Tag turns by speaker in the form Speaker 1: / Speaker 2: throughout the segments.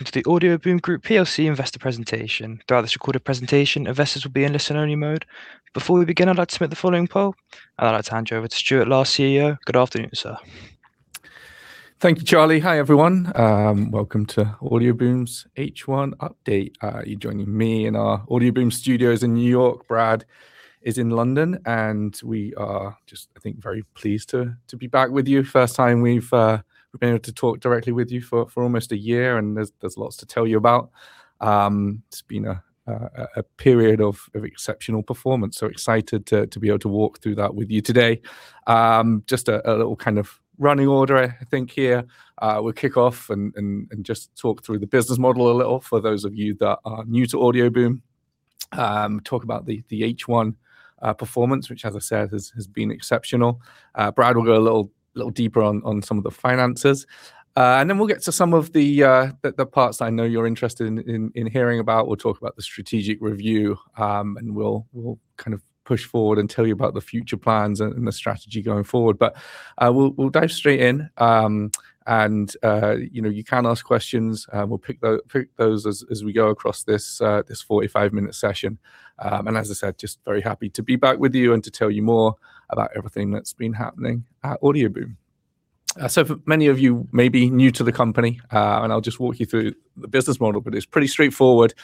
Speaker 1: Welcome to the Audioboom Group plc investor presentation. Throughout this recorded presentation, investors will be in listen-only mode. Before we begin, I'd like to make the following poll. I'd like to hand you over to Stuart Last, CEO. Good afternoon, sir.
Speaker 2: Thank you, Charlie. Hi, everyone. Welcome to Audioboom's H1 update. You're joining me in our Audioboom studios in New York. Brad is in London. We are just, I think, very pleased to be back with you. First time we've been able to talk directly with you for almost a year. There's lots to tell you about. It's been a period of exceptional performance. Excited to be able to walk through that with you today. Just a little kind of running order, I think, here. We'll kick off and just talk through the business model a little for those of you that are new to Audioboom. Talk about the H1 performance, which as I said, has been exceptional. Brad will go a little deeper on some of the finances. Then we'll get to some of the parts I know you're interested in hearing about. We'll talk about the strategic review. We'll kind of push forward and tell you about the future plans and the strategy going forward. We'll dive straight in. You can ask questions. We'll pick those as we go across this 45-minute session. As I said, just very happy to be back with you and to tell you more about everything that's been happening at Audioboom. For many of you may be new to the company. I'll just walk you through the business model, but it's pretty straightforward.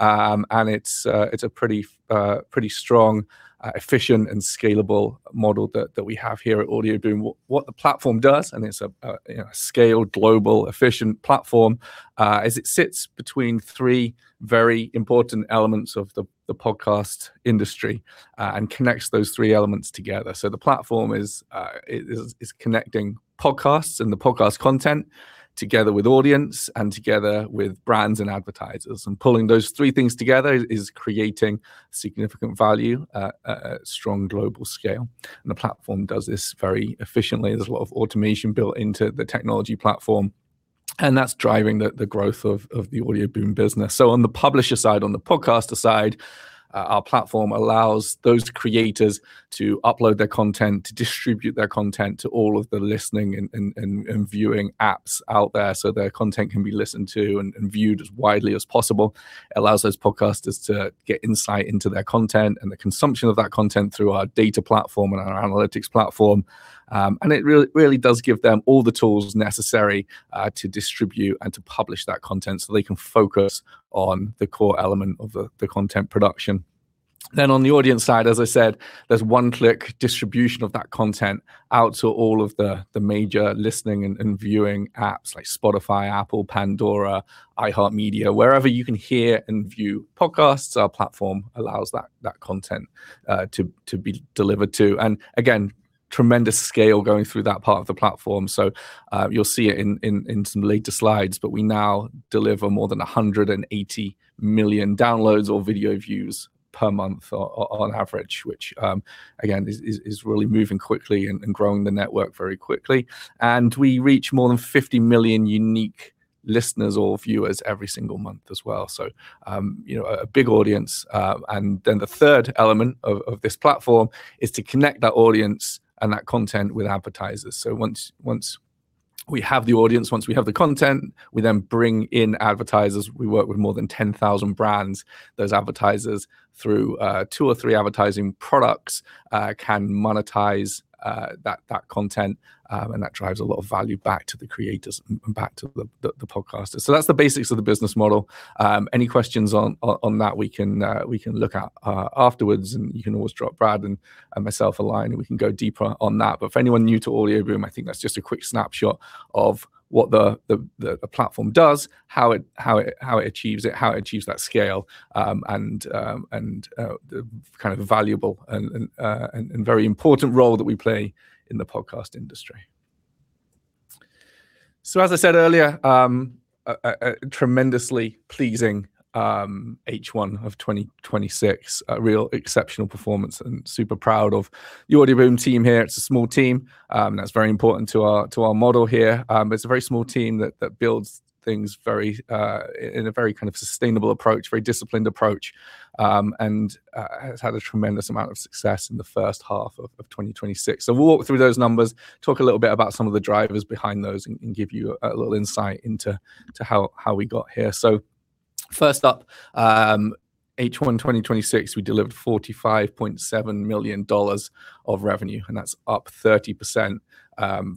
Speaker 2: It's a pretty strong, efficient, and scalable model that we have here at Audioboom. What the platform does, it's a scaled, global, efficient platform, is it sits between three very important elements of the podcast industry and connects those three elements together. The platform is connecting podcasts and the podcast content together with audience and together with brands and advertisers. Pulling those three things together is creating significant value at strong global scale. The platform does this very efficiently. There's a lot of automation built into the technology platform. That's driving the growth of the Audioboom business. On the publisher side, on the podcaster side, our platform allows those creators to upload their content, to distribute their content to all of the listening and viewing apps out there, so their content can be listened to and viewed as widely as possible. It allows those podcasters to get insight into their content and the consumption of that content through our data platform and our analytics platform. It really does give them all the tools necessary to distribute and to publish that content so they can focus on the core element of the content production. On the audience side, as I said, there is one-click distribution of that content out to all of the major listening and viewing apps like Spotify, Apple, Pandora, iHeartMedia. Wherever you can hear and view podcasts, our platform allows that content to be delivered too. Again, tremendous scale going through that part of the platform. You will see it in some later slides, but we now deliver more than 180 million downloads or video views per month on average, which, again, is really moving quickly and growing the network very quickly. We reach more than 50 million unique listeners or viewers every single month as well. A big audience. The third element of this platform is to connect that audience and that content with advertisers. Once we have the audience, once we have the content, we then bring in advertisers. We work with more than 10,000 brands. Those advertisers, through two or three advertising products, can monetize that content, and that drives a lot of value back to the creators and back to the podcasters. That is the basics of the business model. Any questions on that we can look at afterwards, and you can always drop Brad and myself a line, and we can go deeper on that. For anyone new to Audioboom, I think that is just a quick snapshot of what the platform does, how it achieves it, how it achieves that scale, and the kind of valuable and very important role that we play in the podcast industry. As I said earlier, a tremendously pleasing H1 of 2026. A real exceptional performance. I am super proud of the Audioboom team here. It is a small team. That is very important to our model here. It is a very small team that builds things in a very kind of sustainable approach, very disciplined approach, and has had a tremendous amount of success in the first half of 2026. We will walk through those numbers, talk a little bit about some of the drivers behind those, and give you a little insight into how we got here. First up, H1 2026, we delivered $45.7 million of revenue, and that is up 30%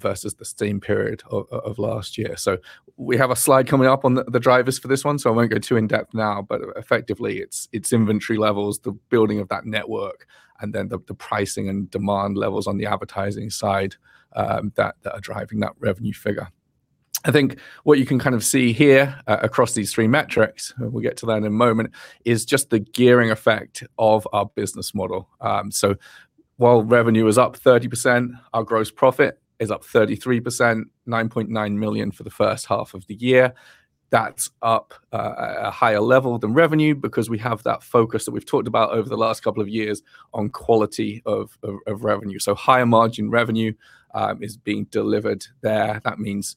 Speaker 2: versus the same period of last year. We have a slide coming up on the drivers for this one, I will not go too in-depth now, effectively it is inventory levels, the building of that network, and then the pricing and demand levels on the advertising side that are driving that revenue figure. I think what you can kind of see here across these three metrics, and we will get to that in a moment, is just the gearing effect of our business model. While revenue is up 30%, our gross profit is up 33%, $9.9 million for the first half of the year. That is up a higher level than revenue because we have that focus that we have talked about over the last couple of years on quality of revenue. Higher margin revenue is being delivered there. That means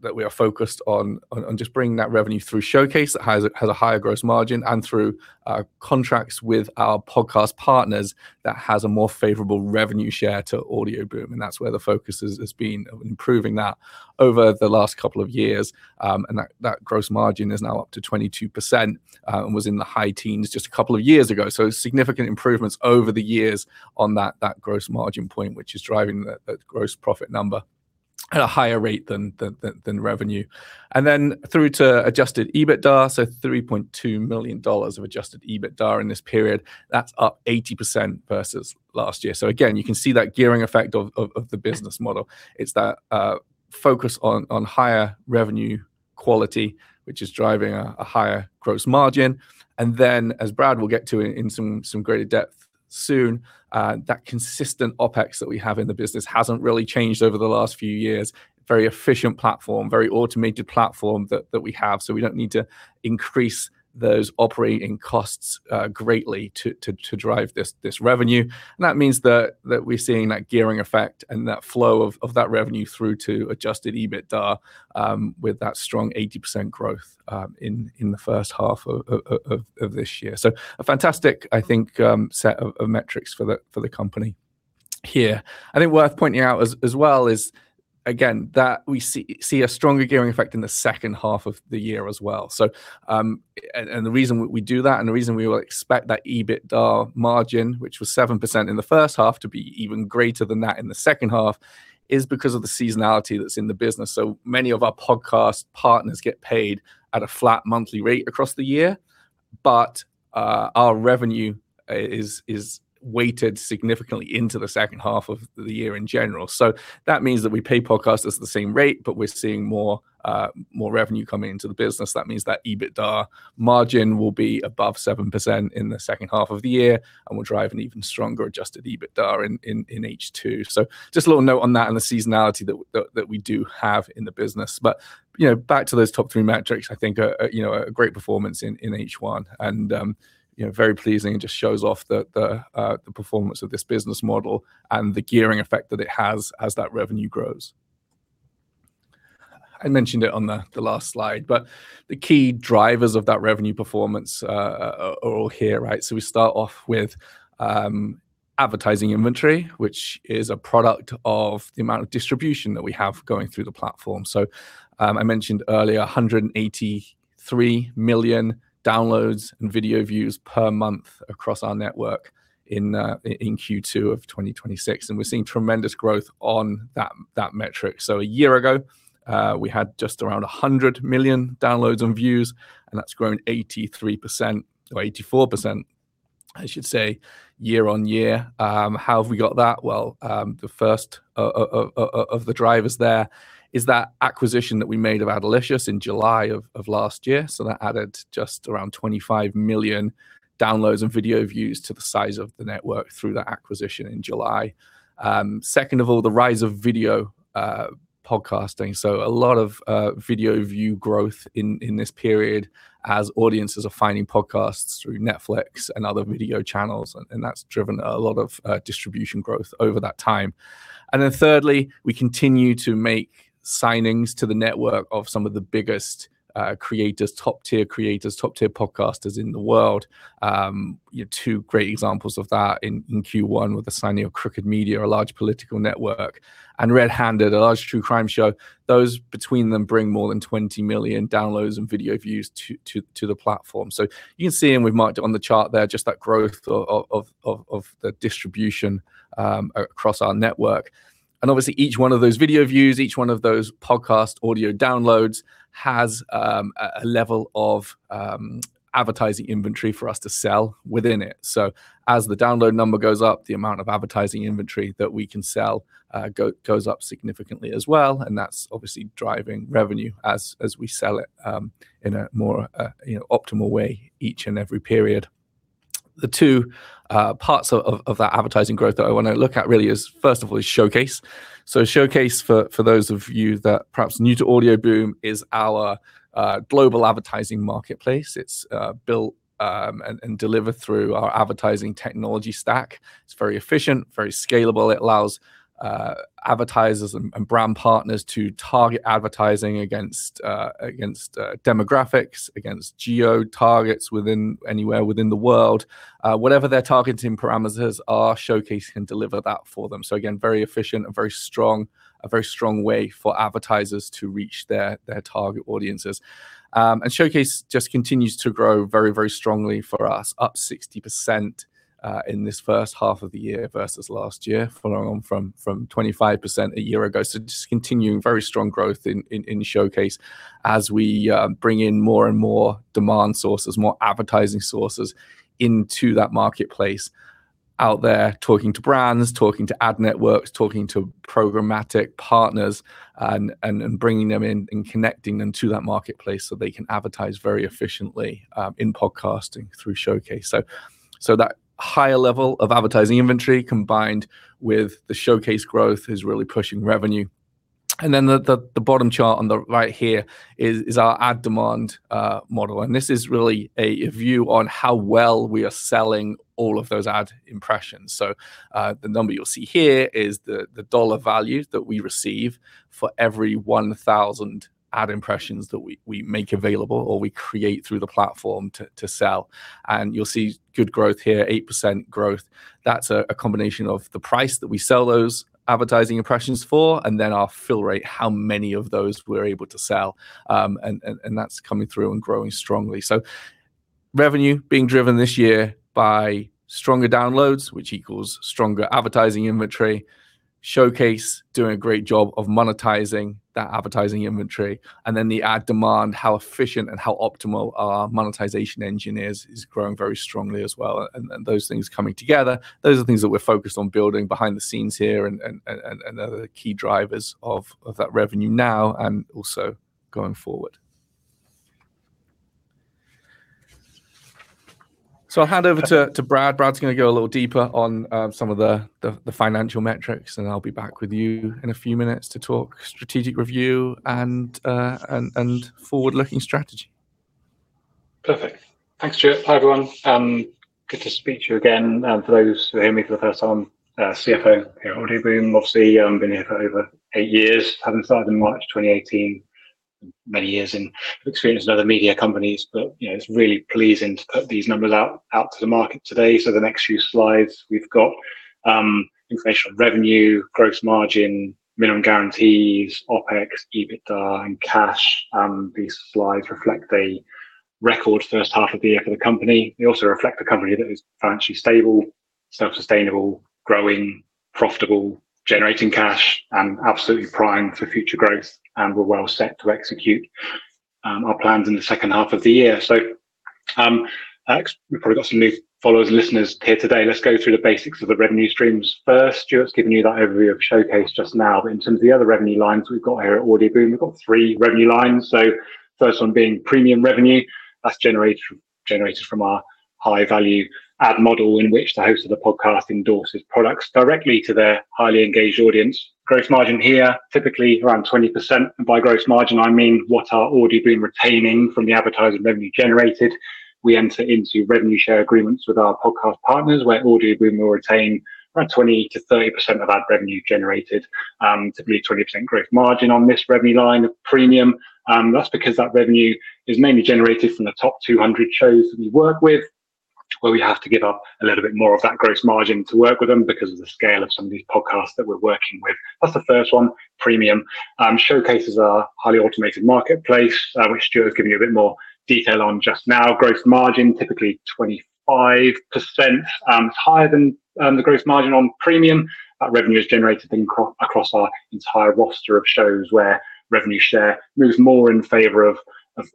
Speaker 2: that we are focused on just bringing that revenue through Showcase that has a higher gross margin and through our contracts with our podcast partners that has a more favorable revenue share to Audioboom, and that's where the focus has been improving that over the last couple of years. That gross margin is now up to 22% and was in the high teens just a couple of years ago. Significant improvements over the years on that gross margin point, which is driving that gross profit number at a higher rate than revenue. Then through to adjusted EBITDA, so GBP 3.2 million of adjusted EBITDA in this period, that's up 80% versus last year. Again, you can see that gearing effect of the business model. It's that focus on higher revenue quality, which is driving a higher gross margin. Then, as Brad will get to in some greater depth soon, that consistent OpEx that we have in the business hasn't really changed over the last few years. Very efficient platform, very automated platform that we have. We don't need to increase those operating costs greatly to drive this revenue. That means that we're seeing that gearing effect and that flow of that revenue through to adjusted EBITDA, with that strong 80% growth in the first half of this year. A fantastic, I think, set of metrics for the company here. I think worth pointing out as well is, again, that we see a stronger gearing effect in the second half of the year as well. The reason we do that, and the reason we will expect that EBITDA margin, which was 7% in the first half, to be even greater than that in the second half, is because of the seasonality that's in the business. Many of our podcast partners get paid at a flat monthly rate across the year, our revenue is weighted significantly into the second half of the year in general. That means that we pay podcasters the same rate, we're seeing more revenue coming into the business. That means that EBITDA margin will be above 7% in the second half of the year and will drive an even stronger adjusted EBITDA in H2. Just a little note on that and the seasonality that we do have in the business. Back to those top three metrics, I think a great performance in H1 and very pleasing, and just shows off the performance of this business model and the gearing effect that it has as that revenue grows. I mentioned it on the last slide, the key drivers of that revenue performance are all here. We start off with advertising inventory, which is a product of the amount of distribution that we have going through the platform. I mentioned earlier 183 million downloads and video views per month across our network in Q2 of 2026, we're seeing tremendous growth on that metric. A year ago, we had just around 100 million downloads and views, that's grown 83% or 84%, I should say, year-on-year. How have we got that? The first of the drivers there is that acquisition that we made of Adelicious in July of last year. That added just around 25 million downloads and video views to the size of the network through that acquisition in July. Second of all, the rise of video podcasting. A lot of video view growth in this period as audiences are finding podcasts through Netflix and other video channels, and that's driven a lot of distribution growth over that time. Thirdly, we continue to make signings to the network of some of the biggest creators, top-tier creators, top-tier podcasters in the world. Two great examples of that in Q1 were the signing of Crooked Media, a large political network, and RedHanded, a large true crime show. Those between them bring more than 20 million downloads and video views to the platform. You can see, and we've marked it on the chart there, just that growth of the distribution across our network. Obviously, each one of those video views, each one of those podcast audio downloads, has a level of advertising inventory for us to sell within it. As the download number goes up, the amount of advertising inventory that we can sell goes up significantly as well, and that's obviously driving revenue as we sell it in a more optimal way each and every period. The two parts of that advertising growth that I want to look at really is, first of all, is Showcase. Showcase, for those of you that are perhaps new to Audioboom, is our global advertising marketplace. It's built and delivered through our advertising technology stack. It's very efficient, very scalable. It allows advertisers and brand partners to target advertising against demographics, against geo targets anywhere within the world. Whatever their targeting parameters are, Showcase can deliver that for them. Again, very efficient and a very strong way for advertisers to reach their target audiences. Showcase just continues to grow very strongly for us, up 60% in this first half of the year versus last year, following on from 25% a year ago. Just continuing very strong growth in Showcase as we bring in more and more demand sources, more advertising sources into that marketplace out there, talking to brands, talking to ad networks, talking to programmatic partners, and bringing them in and connecting them to that marketplace so they can advertise very efficiently in podcasting through Showcase. That higher level of advertising inventory, combined with the Showcase growth, is really pushing revenue. The bottom chart on the right here is our ad demand model. This is really a view on how well we are selling all of those ad impressions. The number you'll see here is the dollar value that we receive for every 1,000 ad impressions that we make available or we create through the platform to sell. You'll see good growth here, 8% growth. That's a combination of the price that we sell those advertising impressions for, and then our fill rate, how many of those we're able to sell. That's coming through and growing strongly. Revenue being driven this year by stronger downloads, which equals stronger advertising inventory. Showcase doing a great job of monetizing that advertising inventory. The ad demand, how efficient and how optimal our monetization engine is growing very strongly as well. Those things coming together, those are the things that we're focused on building behind the scenes here and are the key drivers of that revenue now and also going forward. I'll hand over to Brad. Brad's going to go a little deeper on some of the financial metrics, and I'll be back with you in a few minutes to talk strategic review and forward-looking strategy.
Speaker 3: Perfect. Thanks, Stuart. Hi, everyone. Good to speak to you again. For those who are hearing me for the first time, CFO here at Audioboom, obviously, I've been here for over eight years, having started in March 2018. Many years and experience in other media companies, it's really pleasing to put these numbers out to the market today. The next few slides, we've got information on revenue, gross margin, minimum guarantees, OpEx, EBITDA, and cash. These slides reflect the record first half of the year for the company. They also reflect a company that is financially stable, self-sustainable, growing, profitable, generating cash, and absolutely primed for future growth. We're well set to execute our plans in the second half of the year. We've probably got some new followers and listeners here today. Let's go through the basics of the revenue streams first. Stuart's given you that overview of Showcase just now. In terms of the other revenue lines we've got here at Audioboom, we've got three revenue lines. First one being premium revenue, that's generated from our high-value ad model in which the host of the podcast endorses products directly to their highly engaged audience. Gross margin here, typically around 20%. By gross margin, I mean what are Audioboom retaining from the advertising revenue generated. We enter into revenue share agreements with our podcast partners, where Audioboom will retain around 20%-30% of ad revenue generated, typically a 20% gross margin on this revenue line of premium. That's because that revenue is mainly generated from the top 200 shows that we work with, where we have to give up a little bit more of that gross margin to work with them because of the scale of some of these podcasts that we're working with. That's the first one, premium. Showcase is our highly automated marketplace, which Stuart has given you a bit more detail on just now. Gross margin, typically 25%. It's higher than the gross margin on premium. That revenue is generated across our entire roster of shows where revenue share moves more in favor of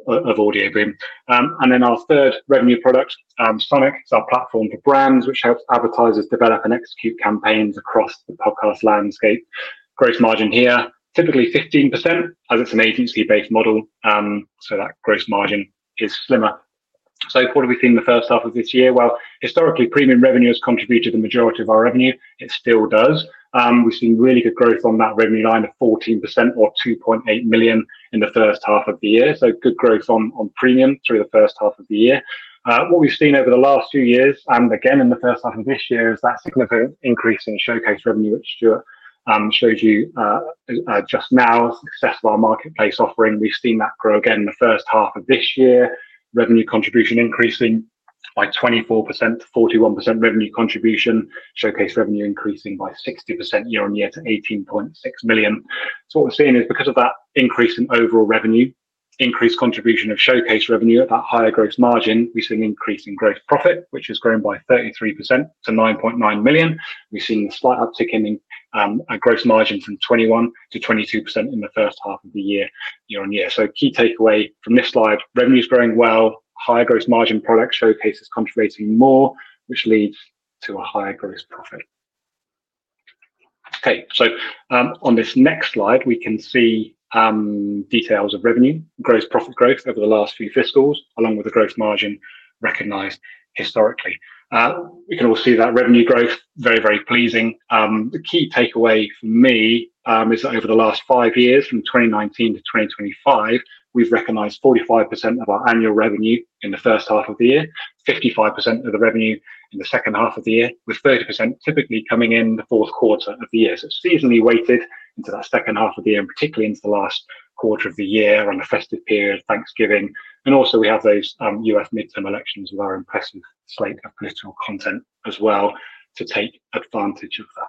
Speaker 3: Audioboom. Our third revenue product, Sonic. It's our platform for brands, which helps advertisers develop and execute campaigns across the podcast landscape. Gross margin here, typically 15%, as it's an agency-based model, so that gross margin is slimmer. What have we seen the first half of this year? Historically, premium revenue has contributed the majority of our revenue. It still does. We've seen really good growth on that revenue line of 14% or 2.8 million in the first half of the year. Good growth on premium through the first half of the year. What we've seen over the last few years, and again in the first half of this year, is that significant increase in Showcase revenue, which Stuart showed you just now. The success of our marketplace offering, we've seen that grow again in the first half of this year. Revenue contribution increasing by 24%-41% revenue contribution. Showcase revenue increasing by 60% year-on-year to 18.6 million. What we're seeing is because of that increase in overall revenue, increased contribution of Showcase revenue at that higher gross margin, we've seen an increase in gross profit, which has grown by 33% to 9.9 million. We've seen a slight uptick in our gross margin from 21%-22% in the first half of the year-on-year. Key takeaway from this slide, revenue's growing well, higher gross margin products, Showcase is contributing more, which leads to a higher gross profit. Okay. On this next slide, we can see details of revenue, gross profit growth over the last few fiscals, along with the gross margin recognized historically. We can all see that revenue growth, very, very pleasing. The key takeaway for me is that over the last five years, from 2019 to 2025, we've recognized 45% of our annual revenue in the first half of the year, 55% of the revenue in the second half of the year, with 30% typically coming in the fourth quarter of the year. Seasonally weighted into that second half of the year and particularly into the last quarter of the year around the festive period, Thanksgiving, and also we have those U.S. midterm elections with our impressive slate of political content as well to take advantage of that.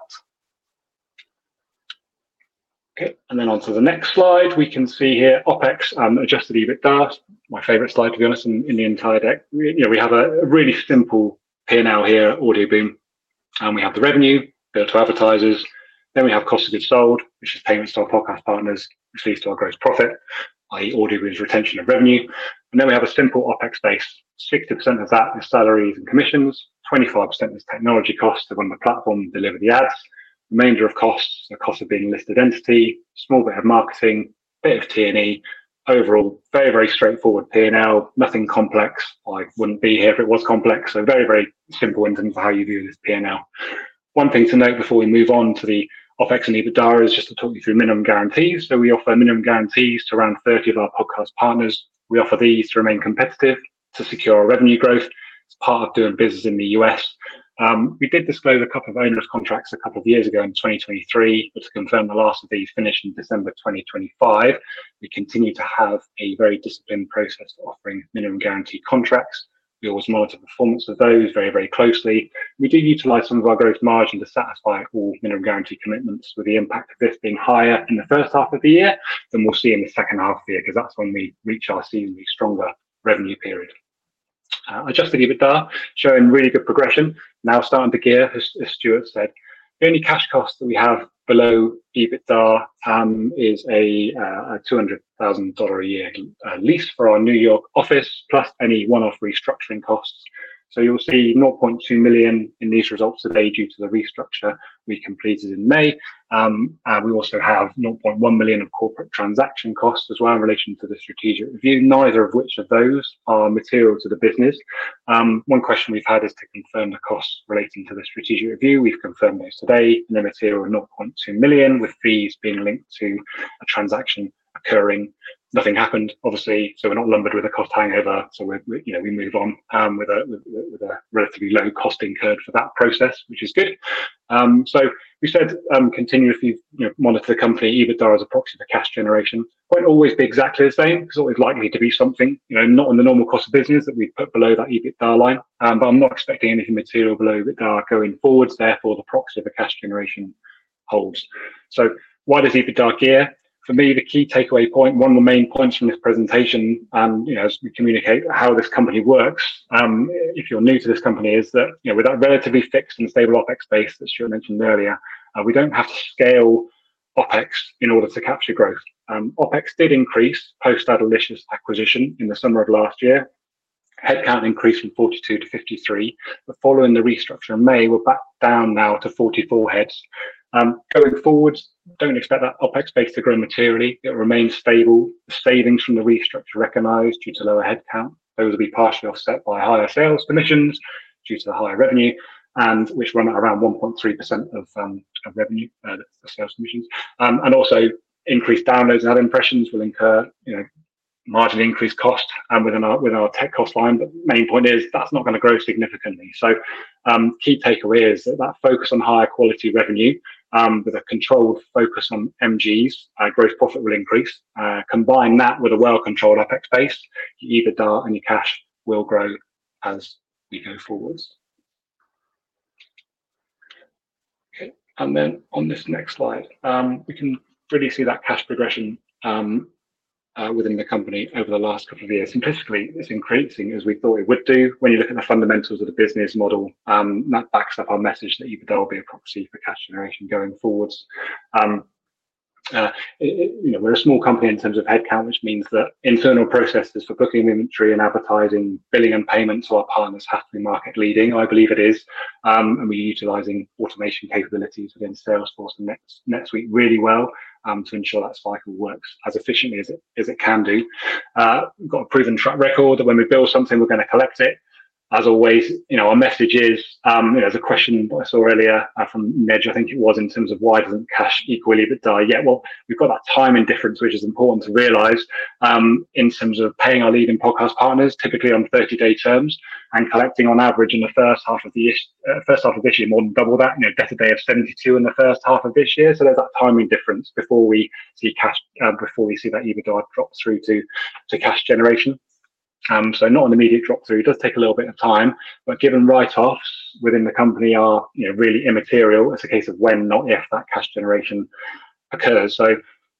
Speaker 3: Okay. Onto the next slide, we can see here OpEx, adjusted EBITDA, my favorite slide, to be honest, in the entire deck. We have a really simple P&L here at Audioboom. We have the revenue built to advertisers. We have cost of goods sold, which is payments to our podcast partners, which leads to our gross profit, i.e., Audioboom's retention of revenue. We have a simple OpEx base. 60% of that is salaries and commissions, 25% is technology costs to run the platform and deliver the ads. The remainder of costs are cost of being a listed entity, small bit of marketing, bit of T&E. Overall, very straightforward P&L, nothing complex. I wouldn't be here if it was complex. Very simple in terms of how you view this P&L. One thing to note before we move on to the OpEx and EBITDA is just to talk you through minimum guarantees. We offer minimum guarantees to around 30 of our podcast partners. We offer these to remain competitive to secure our revenue growth. It's part of doing business in the U.S. We did disclose two onerous contracts two years ago in 2023, to confirm the last of these finished in December 2025. We continue to have a very disciplined process to offering minimum guarantee contracts. We always monitor performance of those very closely. We do utilize some of our growth margin to satisfy all minimum guarantee commitments with the impact of this being higher in the first half of the year than we'll see in the second half of the year. That's when we reach our seasonally stronger revenue period. Adjusted EBITDA showing really good progression now starting to gear, as Stuart said. The only cash cost that we have below EBITDA is a $200,000 a year lease for our New York office, plus any one-off restructuring costs. You'll see $0.2 million in these results today due to the restructure we completed in May. We also have $0.1 million of corporate transaction costs as well in relation to the strategic review, neither of which of those are material to the business. One question we've had is to confirm the costs relating to the strategic review. We've confirmed those today, they're material are $0.2 million, with fees being linked to a transaction occurring. Nothing happened, obviously, we're not lumbered with a cost hangover. We move on with a relatively low cost incurred for that process, which is good. We said continuously monitor the company EBITDA as a proxy for cash generation. Won't always be exactly the same, there's likely to be something not in the normal cost of business that we put below that EBITDA line. I'm not expecting anything material below EBITDA going forwards, therefore, the proxy for cash generation holds. Why does EBITDA gear? For me, the key takeaway point, one of the main points from this presentation, as we communicate how this company works if you're new to this company, is that with that relatively fixed and stable OpEx base, as Stuart mentioned earlier, we don't have to scale OpEx in order to capture growth. OpEx did increase post Adelicious acquisition in the summer of last year. Headcount increased from 42 to 53. Following the restructure in May, we're back down now to 44 heads. Going forwards, don't expect that OpEx base to grow materially. It'll remain stable. The savings from the restructure recognized due to lower headcount, those will be partially offset by higher sales commissions due to the higher revenue which run at around 1.3% of revenue, the sales commissions. Also increased downloads and ad impressions will incur marginally increased cost with our tech cost line. The main point is that's not going to grow significantly. Key takeaway is that focus on higher quality revenue with a controlled focus on MGs, our growth profit will increase. Combine that with a well-controlled OpEx base, your EBITDA and your cash will grow as we go forwards. Okay. On this next slide, we can really see that cash progression within the company over the last two years. Simplistically, it's increasing as we thought it would do when you look at the fundamentals of the business model. That backs up our message that EBITDA will be a proxy for cash generation going forwards. We're a small company in terms of headcount, which means that internal processes for booking inventory and advertising, billing and payments to our partners have to be market leading. I believe it is. We're utilizing automation capabilities within Salesforce and NetSuite really well to ensure that cycle works as efficiently as it can do. Got a proven track record that when we bill something, we're going to collect it. As always, our message is. There's a question I saw earlier from Ned, I think it was, in terms of why doesn't cash equal EBITDA yet. Well, we've got that timing difference, which is important to realize, in terms of paying our leading podcast partners, typically on 30-day terms, and collecting on average in the first half of this year, more than double that. Debtor day of 72 in the first half of this year. There's that timing difference before we see that EBITDA drop through to cash generation. Not an immediate drop through. It does take a little bit of time, given write-offs within the company are really immaterial, it's a case of when not if that cash generation occurs.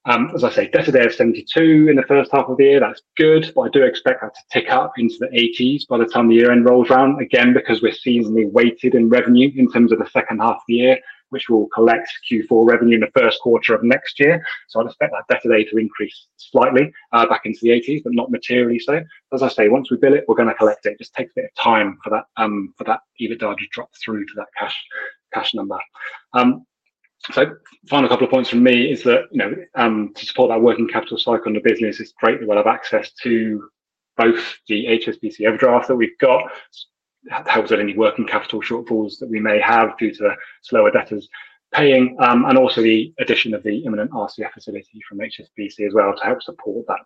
Speaker 3: As I say, debtor day of 72 in the first half of the year, that's good. I do expect that to tick up into the 80s by the time the year end rolls around. Again, because we're seasonally weighted in revenue in terms of the second half of the year, which we'll collect Q4 revenue in the first quarter of next year. I'd expect that debtor day to increase slightly back into the 80s, but not materially so. As I say, once we bill it, we're going to collect it. Just takes a bit of time for that EBITDA to drop through to that cash number. Final couple of points from me is that to support that working capital cycle in the business, it's great that we'll have access to both the HSBC overdraft that we've got. That helps with any working capital shortfalls that we may have due to slower debtors paying. Also the addition of the imminent RCF facility from HSBC as well to help support that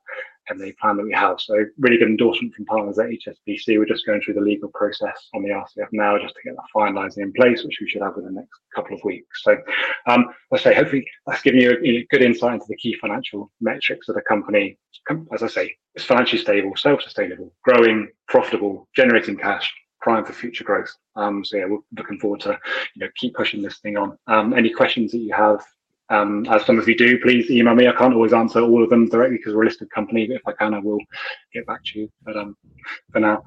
Speaker 3: M&A plan that we have. Really good endorsement from partners at HSBC. We're just going through the legal process on the RCF now just to get that finalized and in place, which we should have in the next couple of weeks. As I say, hopefully that's given you a good insight into the key financial metrics of the company. As I say, it's financially stable, self-sustainable, growing, profitable, generating cash, primed for future growth. Yeah, we're looking forward to keep pushing this thing on. Any questions that you have, as long as you do, please email me. I can't always answer all of them directly because we're a listed company, but if I can, I will get back to you. For now,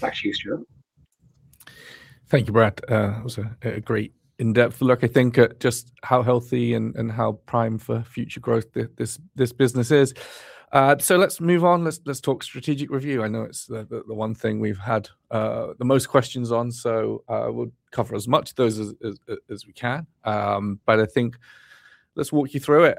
Speaker 3: back to you, Stuart.
Speaker 2: Thank you, Brad. That was a great in-depth look, I think, at just how healthy and how primed for future growth this business is. Let's move on. Let's talk strategic review. I know it's the one thing we've had the most questions on. We'll cover as much of those as we can. I think Let's walk you through it.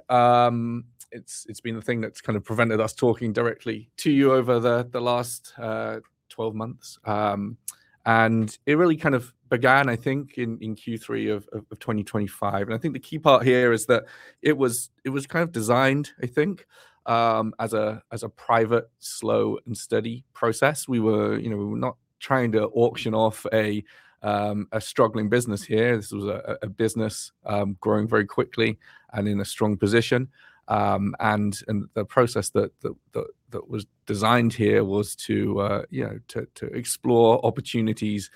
Speaker 2: It's been the thing that's kind of prevented us talking directly to you over the last 12 months. It really kind of began, I think, in Q3 of 2025. I think the key part here is that it was kind of designed, I think, as a private, slow, and steady process. We were not trying to auction off a struggling business here. This was a business growing very quickly and in a strong position. The process that was designed here was to explore opportunities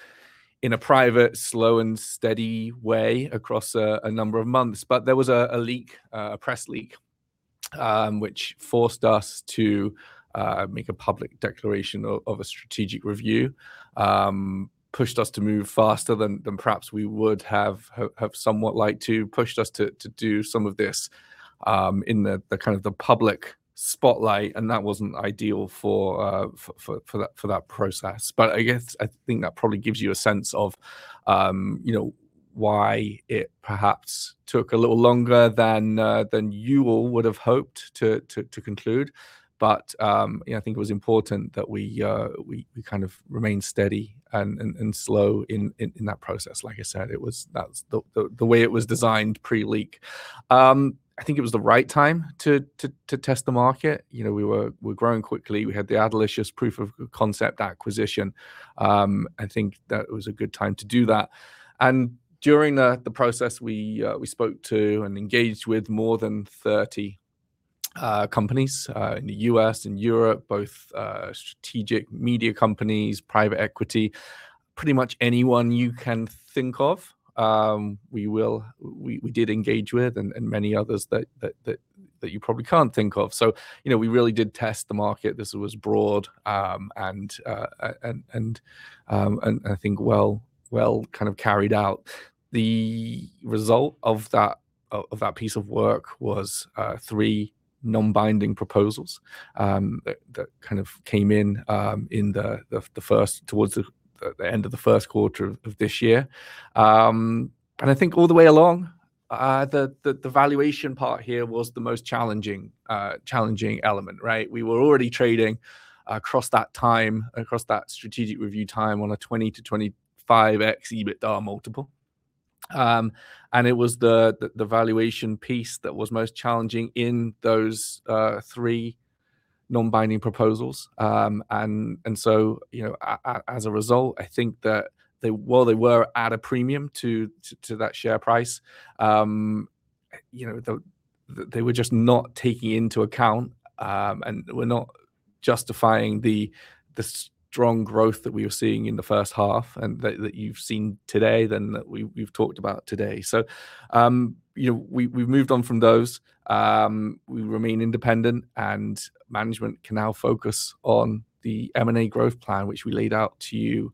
Speaker 2: in a private, slow, and steady way across a number of months. There was a leak, a press leak, which forced us to make a public declaration of a strategic review. Pushed us to move faster than perhaps we would have somewhat liked to, pushed us to do some of this in the public spotlight, and that wasn't ideal for that process. I guess, I think that probably gives you a sense of why it perhaps took a little longer than you all would've hoped to conclude. I think it was important that we kind of remain steady and slow in that process. Like I said, that's the way it was designed pre-leak. I think it was the right time to test the market. We're growing quickly. We had the Adelicious proof of concept acquisition. I think that it was a good time to do that. During the process we spoke to and engaged with more than 30 companies, in the U.S. and Europe, both strategic media companies, private equity. Pretty much anyone you can think of, we did engage with and many others that you probably can't think of. We really did test the market. This was broad, and I think well kind of carried out. The result of that piece of work was three non-binding proposals that kind of came in towards the end of the first quarter of this year. I think all the way along, the valuation part here was the most challenging element, right? We were already trading across that time, across that strategic review time on a 20x-25x EBITDA multiple. It was the valuation piece that was most challenging in those three non-binding proposals. As a result, I think that while they were at a premium to that share price, they were just not taking into account, and were not justifying the strong growth that we were seeing in the first half and that you've seen today, than we've talked about today. We've moved on from those. We remain independent and management can now focus on the M&A growth plan, which we laid out to you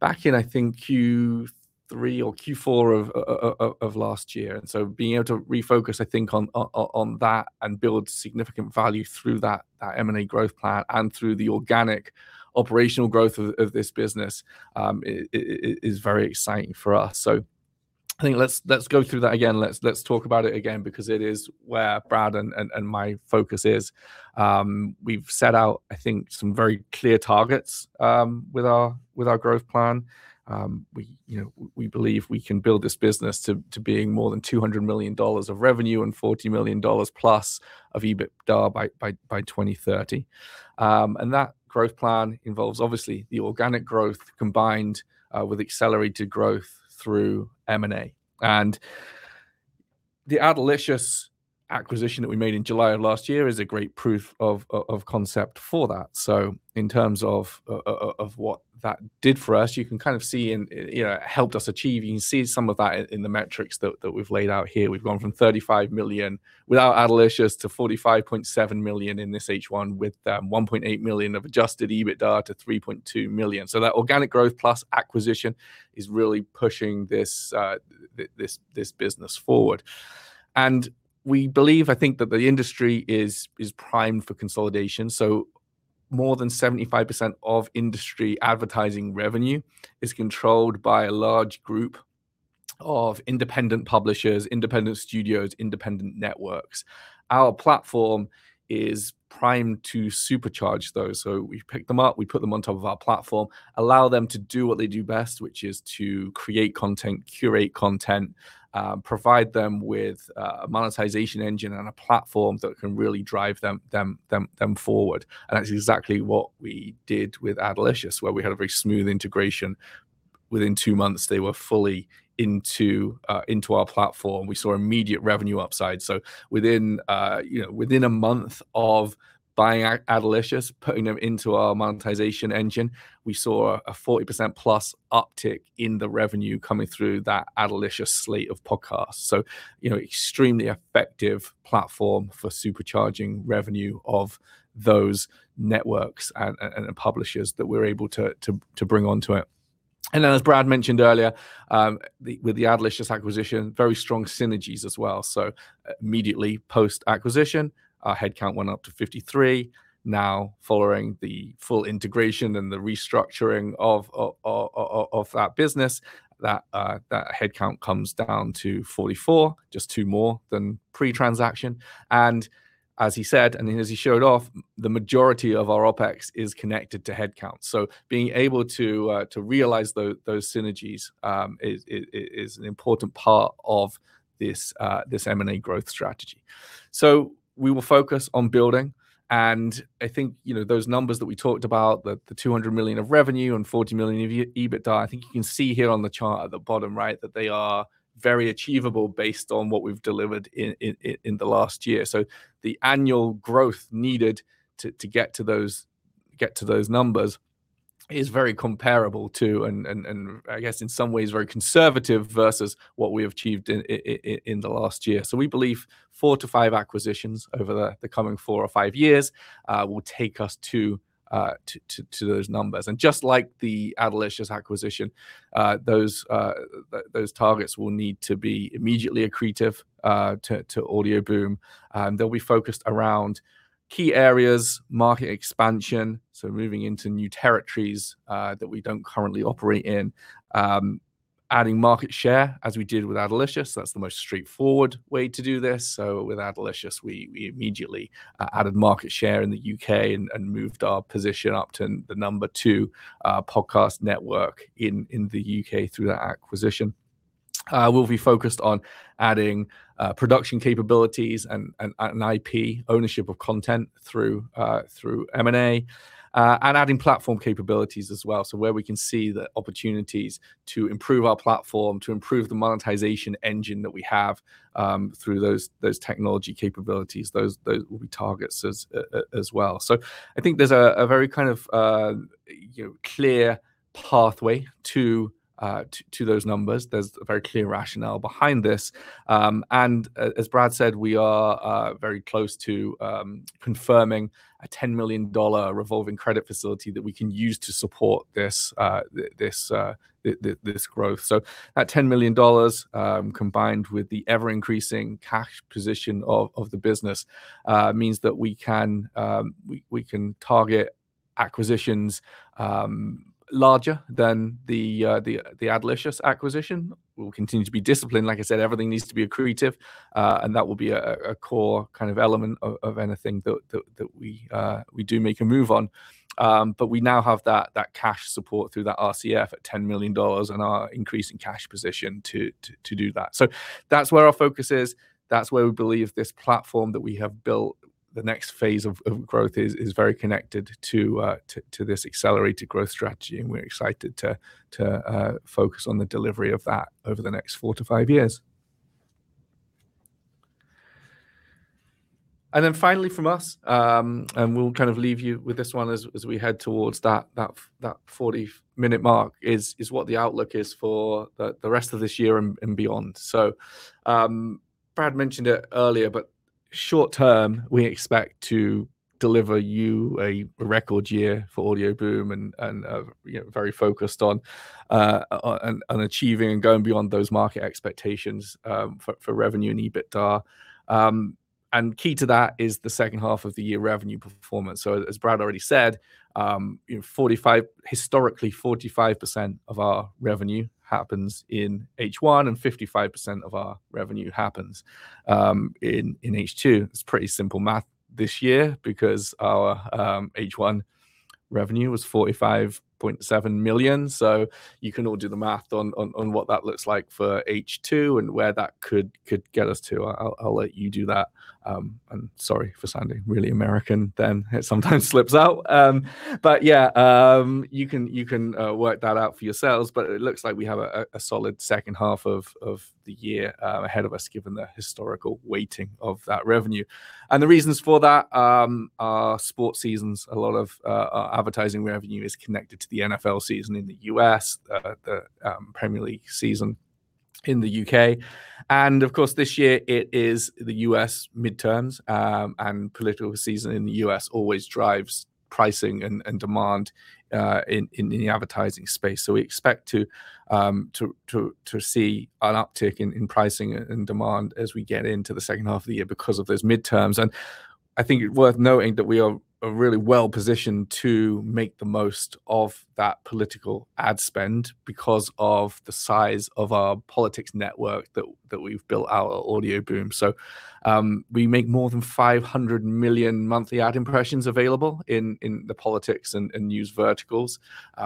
Speaker 2: back in, I think, Q3 or Q4 of last year. Being able to refocus, I think, on that and build significant value through that M&A growth plan and through the organic operational growth of this business is very exciting for us. I think let's go through that again. Let's talk about it again because it is where Brad and my focus is. We've set out, I think, some very clear targets with our growth plan. We believe we can build this business to being more than GBP 200 million of revenue and GBP 40 million+ of EBITDA by 2030. That growth plan involves, obviously, the organic growth combined with accelerated growth through M&A. The Adelicious acquisition that we made in July of last year is a great proof of concept for that. In terms of what that did for us, you can kind of see and it helped us achieve, you can see some of that in the metrics that we've laid out here. We've gone from 35 million without Adelicious to 45.7 million in this H1 with 1.8 million of adjusted EBITDA to 3.2 million. That organic growth plus acquisition is really pushing this business forward. We believe, I think, that the industry is primed for consolidation. More than 75% of industry advertising revenue is controlled by a large group of independent publishers, independent studios, independent networks. Our platform is primed to supercharge those. We've picked them up, we put them on top of our platform, allow them to do what they do best, which is to create content, curate content, provide them with a monetization engine and a platform that can really drive them forward. That's exactly what we did with Adelicious, where we had a very smooth integration. Within two months, they were fully into our platform. We saw immediate revenue upside. Within a month of buying Adelicious, putting them into our monetization engine, we saw a 40%+ uptick in the revenue coming through that Adelicious slate of podcasts. Extremely effective platform for supercharging revenue of those networks and publishers that we're able to bring onto it. As Brad mentioned earlier, with the Adelicious acquisition, very strong synergies as well. Immediately post-acquisition, our headcount went up to 53. Following the full integration and the restructuring of that business that headcount comes down to 44, just two more than pre-transaction. As he said, and as he showed off, the majority of our OpEx is connected to headcount. Being able to realize those synergies is an important part of this M&A growth strategy. We will focus on building, and I think those numbers that we talked about, the 200 million of revenue and 40 million of EBITDA, I think you can see here on the chart at the bottom right that they are very achievable based on what we've delivered in the last year. The annual growth needed to get to those numbers is very comparable to, and I guess in some ways, very conservative versus what we achieved in the last year. We believe four to five acquisitions over the coming four or five years will take us to those numbers. Just like the Adelicious acquisition, those targets will need to be immediately accretive to Audioboom. They'll be focused around key areas, market expansion, so moving into new territories that we don't currently operate in. Adding market share, as we did with Adelicious. That's the most straightforward way to do this. With Adelicious, we immediately added market share in the U.K. and moved our position up to the number two podcast network in the U.K. through that acquisition. We'll be focused on adding production capabilities and IP, ownership of content through M&A, and adding platform capabilities as well. Where we can see the opportunities to improve our platform, to improve the monetization engine that we have through those technology capabilities, those will be targets as well. I think there's a very kind of clear pathway to those numbers. There's a very clear rationale behind this. As Brad said, we are very close to confirming a $10 million revolving credit facility that we can use to support this growth. That $10 million, combined with the ever-increasing cash position of the business, means that we can target acquisitions larger than the Adelicious acquisition. We'll continue to be disciplined. Like I said, everything needs to be accretive, and that will be a core kind of element of anything that we do make a move on. We now have that cash support through that RCF at $10 million and our increasing cash position to do that. That's where our focus is. That's where we believe this platform that we have built, the next phase of growth is very connected to this accelerated growth strategy, and we're excited to focus on the delivery of that over the next four to five years. Finally from us, and we'll kind of leave you with this one as we head towards that 40-minute mark, is what the outlook is for the rest of this year and beyond. Brad mentioned it earlier, but short-term, we expect to deliver you a record year for Audioboom and very focused on achieving and going beyond those market expectations for revenue and EBITDA. Key to that is the second half of the year revenue performance. As Brad already said, historically, 45% of our revenue happens in H1, and 55% of our revenue happens in H2. It's pretty simple math this year because our H1 revenue was $45.7 million. You can all do the math on what that looks like for H2 and where that could get us to. I'll let you do that. Sorry for sounding really American then. It sometimes slips out. Yeah, you can work that out for yourselves. It looks like we have a solid second half of the year ahead of us given the historical weighting of that revenue. The reasons for that are sports seasons. A lot of our advertising revenue is connected to the NFL season in the U.S., the Premier League season in the U.K., and of course this year it is the U.S. midterms. Political season in the U.S. always drives pricing and demand in the advertising space. We expect to see an uptick in pricing and demand as we get into the second half of the year because of those midterms. I think it worth noting that we are really well-positioned to make the most of that political ad spend because of the size of our politics network that we've built out at Audioboom. We make more than 500 million monthly ad impressions available in the politics and news verticals.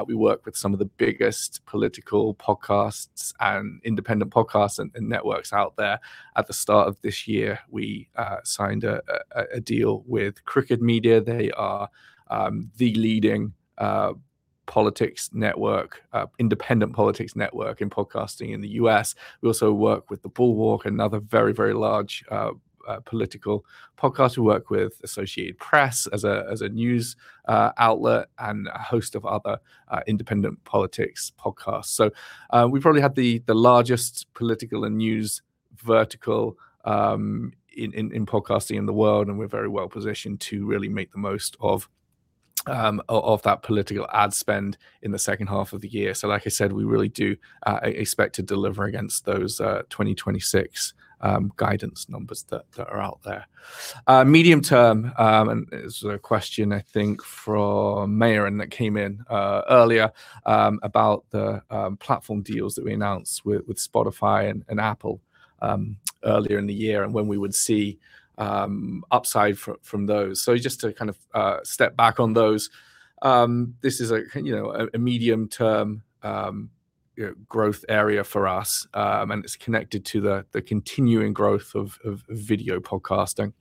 Speaker 2: We work with some of the biggest political podcasts and independent podcasts and networks out there. At the start of this year, we signed a deal with Crooked Media. They are the leading independent politics network in podcasting in the U.S. We also work with The Bulwark, another very large political podcast. We work with Associated Press as a news outlet and a host of other independent politics podcasts. We probably have the largest political and news vertical in podcasting in the world, and we're very well-positioned to really make the most of that political ad spend in the second half of the year. We really do expect to deliver against those 2026 guidance numbers that are out there. Medium term, there's a question, I think from Marion that came in earlier about the platform deals that we announced with Spotify and Apple earlier in the year, and when we would see upside from those. Just to kind of step back on those. This is a medium term growth area for us, and it's connected to the continuing growth of video podcasting.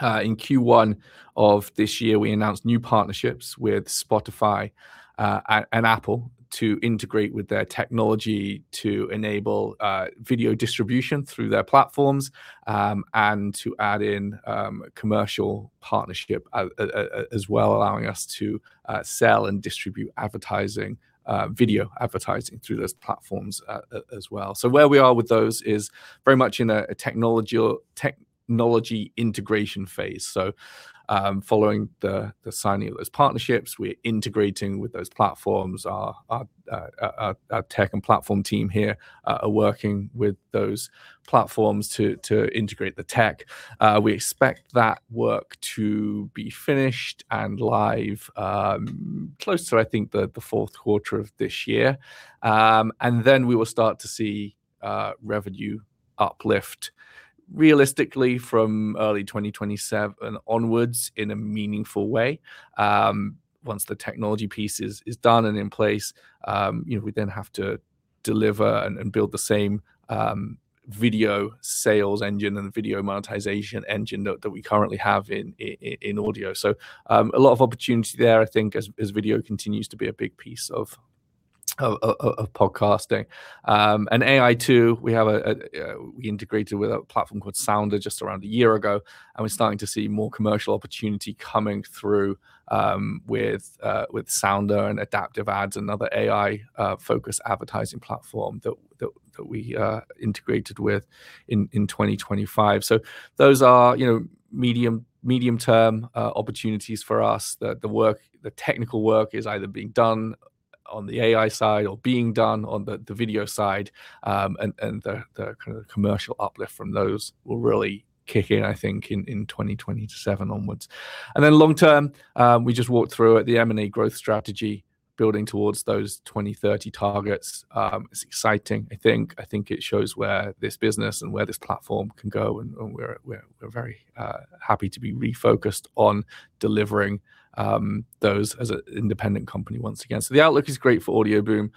Speaker 2: In Q1 of this year, we announced new partnerships with Spotify and Apple to integrate with their technology to enable video distribution through their platforms, and to add in commercial partnership as well, allowing us to sell and distribute video advertising through those platforms as well. Where we are with those is very much in a technology integration phase. Following the signing of those partnerships, we're integrating with those platforms. Our tech and platform team here are working with those platforms to integrate the tech. We expect that work to be finished and live close to, I think, the fourth quarter of this year. Then we will start to see revenue uplift realistically from early 2027 onwards in a meaningful way. Once the technology piece is done and in place, we then have to deliver and build the same video sales engine and video monetization engine that we currently have in audio. A lot of opportunity there, I think, as video continues to be a big piece of podcasting. AI too, we integrated with a platform called Sounder just around a year ago, and we're starting to see more commercial opportunity coming through with Sounder and Adaptive Ads, another AI-focused advertising platform that we integrated with in 2025. Those are medium term opportunities for us. The technical work is either being done on the AI side or being done on the video side. The commercial uplift from those will really kick in, I think, in 2027 onwards. Then long term, we just walked through the M&A growth strategy building towards those 2030 targets. It's exciting, I think. I think it shows where this business and where this platform can go and we're very happy to be refocused on delivering those as an independent company once again. The outlook is great for Audioboom,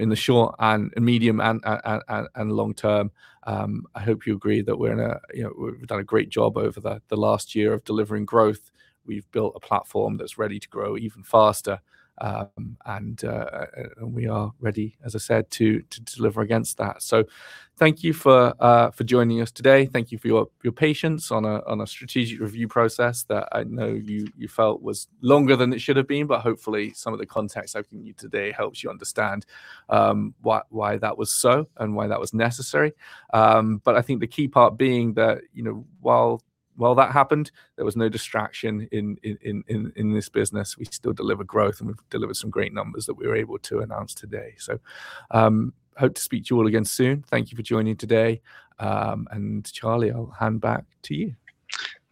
Speaker 2: in the short and medium and long term. I hope you agree that we've done a great job over the last year of delivering growth. We've built a platform that's ready to grow even faster. We are ready, as I said, to deliver against that. Thank you for joining us today. Thank you for your patience on a strategic review process that I know you felt was longer than it should have been, hopefully some of the context I've given you today helps you understand why that was so and why that was necessary. I think the key part being that while that happened, there was no distraction in this business. We still delivered growth, and we've delivered some great numbers that we were able to announce today. Hope to speak to you all again soon. Thank you for joining today. Charlie, I'll hand back to you.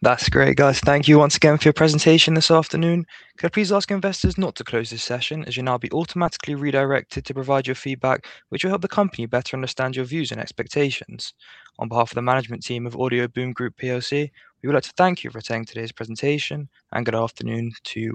Speaker 1: That's great, guys. Thank you once again for your presentation this afternoon. Could I please ask investors not to close this session as you'll now be automatically redirected to provide your feedback, which will help the company better understand your views and expectations. On behalf of the management team of Audioboom Group plc, we would like to thank you for attending today's presentation, and good afternoon to all.